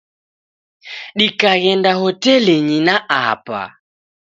Dikaghenda hotelinyi na apa.